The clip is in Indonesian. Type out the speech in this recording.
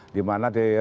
di mana dikembangkan